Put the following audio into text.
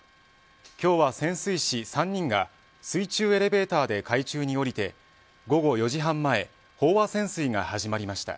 今日は潜水士３人が水中エレベーターで海中に下りて午後４時半前飽和潜水が始まりました。